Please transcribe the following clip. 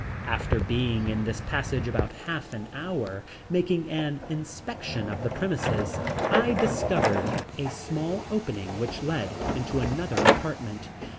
After being in this passage about half an hour making an inspection of the premises, I discovered a small opening which led into another apartment.